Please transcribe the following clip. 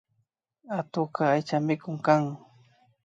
Atukka aychamikuk kan